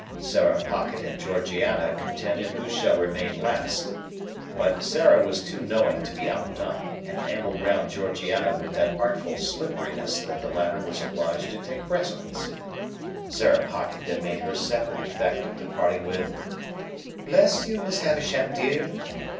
Sarah Pocket and Georgiana contended who should remain last; but Sarah was too knowing to be outdone, and ambled round Georgiana with that artful slipperiness that the latter was obliged to take precedence. Sarah Pocket then made her separate effect of departing with, "Bless you, Miss Havisham dear!"